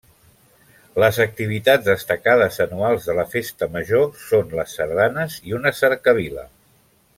Les activitats destacades anuals de la festa major són les sardanes i una cercavila.